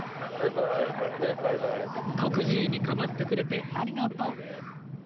徳じいに構ってくれてありがとう